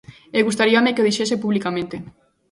E gustaríame que o dixese publicamente.